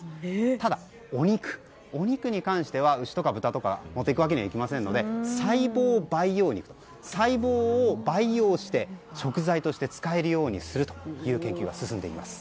ただ、お肉に関しては牛とか豚とかを持っていくわけにはいきませんので、細胞培養肉細胞を培養して食材として使えるようにするという研究が進んでいます。